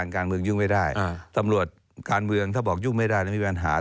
การเมืองยุ่งไม่ได้ตำรวจการเมืองถ้าบอกยุ่งไม่ได้แล้วมีปัญหา